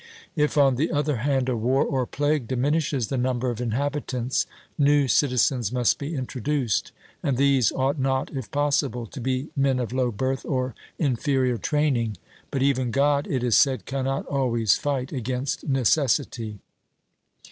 If, on the other hand, a war or plague diminishes the number of inhabitants, new citizens must be introduced; and these ought not, if possible, to be men of low birth or inferior training; but even God, it is said, cannot always fight against necessity.